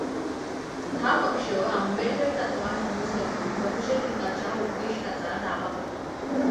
हा पक्ष आंबेडकरी तत्त्वांस अनुसरून बहुजनहिताच्या उद्दिष्टाचा दावा करतो.